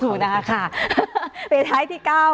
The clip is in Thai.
ถูกนะคะไปท้ายที่ก้าว